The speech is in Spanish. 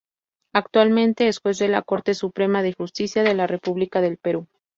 Actualmente es Juez de la Corte Suprema de Justicia de la República del Perú.